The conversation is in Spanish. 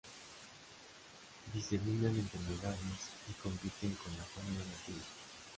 Diseminan enfermedades y compiten con la fauna nativa.